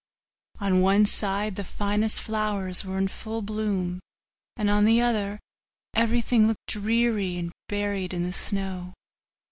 On one side the finest flowers were in full bloom, and on the other everything looked dreary and buried in the snow.